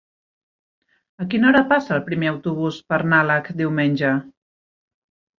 A quina hora passa el primer autobús per Nalec diumenge?